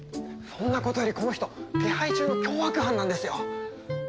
そんなことよりこの人手配中の凶悪犯なんですよ。